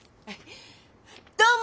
「どうも！